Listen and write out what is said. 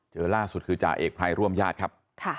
เจอล่าสุดคือจ่าเอกภัยร่วมญาติครับ